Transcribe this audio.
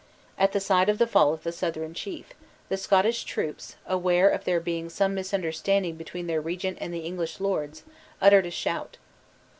At sight of the fall of the Southron chief, the Scottish troops, aware of there being some misunderstanding between their regent and the English lords, uttered a shout.